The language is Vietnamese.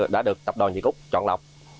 đã được tập đoàn nhật úc chọn lọc